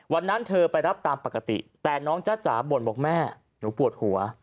วันนั้นเธอไปรับตามปกติแต่น้องจ้าจ๋าบ่นบอกแม่หนูปวดหัว